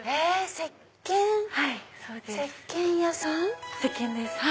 せっけんです。